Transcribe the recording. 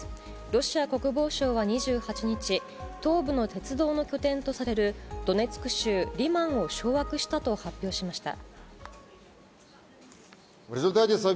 ロシア国防省は２８日、東部の鉄道の拠点とされる、ドネツク州リマンを掌握したと発表しました。